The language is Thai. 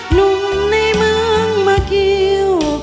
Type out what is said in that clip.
หนุ่มในเมือง็ว